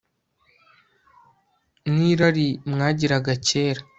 n irari mwagiraga kera